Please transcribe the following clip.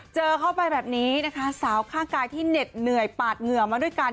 เจอเข้าไปแบบนี้นะคะสาวข้างกายที่เหน็ดเหนื่อยปาดเหงื่อมาด้วยกัน